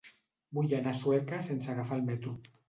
Vull anar a Sueca sense agafar el metro.